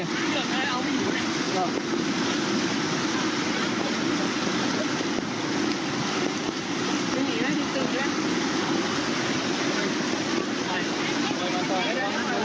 จับไหนเอาไปหยุด